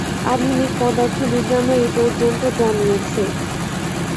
আধুনিক পদার্থবিজ্ঞানও এই পর্যন্ত জানিয়াছে।